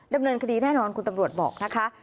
ดำเนินคดีแน่นอนคุณตำรวจบอกนะคะ